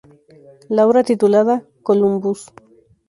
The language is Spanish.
La obra, titulada "Columbus.